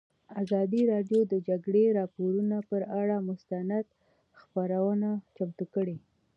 ازادي راډیو د د جګړې راپورونه پر اړه مستند خپرونه چمتو کړې.